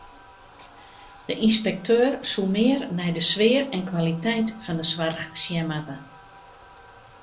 De ynspekteur soe mear nei de sfear en kwaliteit fan de soarch sjen moatte.